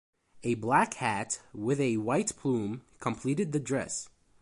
A black hat with a white plume completed the dress.